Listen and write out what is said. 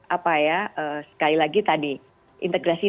apa ya sekali lagi tadi integrasi